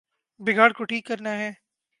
بگاڑ کو ٹھیک کرنا ہے۔